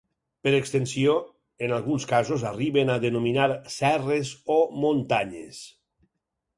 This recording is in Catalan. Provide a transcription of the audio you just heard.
Per extensió, en alguns casos arriben a denominar serres o muntanyes.